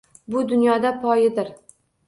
Bu dunyoda poyidor!